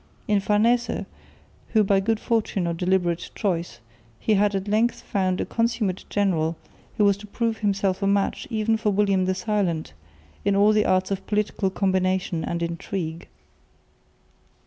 In Farnese, whether by good fortune or deliberate choice, he had at length found a consummate general who was to prove himself a match even for William the Silent in all the arts of political combination and intrigue.